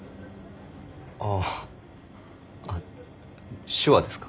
ああ手話ですか？